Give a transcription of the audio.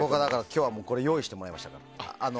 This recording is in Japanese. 今日は用意してもらいましたから。